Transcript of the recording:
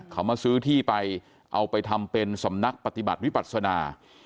เขามาซื้อที่ไปเอาไปทำเป็นสำนักปฏิบัติวิปัศนา